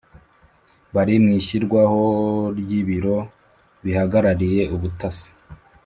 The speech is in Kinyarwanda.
Bari mw’ishyirwaho ry’ ibiro bihagarariye ubutasi